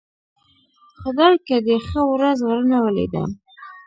خدايکه دې ښه ورځ ورنه ولېده.